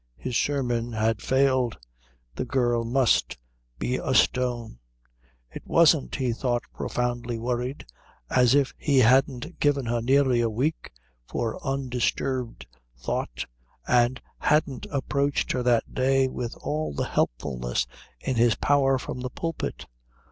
His sermon had failed. The girl must be a stone. It wasn't, he thought profoundly worried, as if he hadn't given her nearly a week for undisturbed thought and hadn't approached her that day with all the helpfulness in his power from the pulpit.